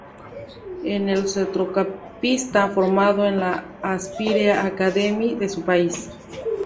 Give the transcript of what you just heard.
Es un centrocampista formado en la Aspire Academy de su país.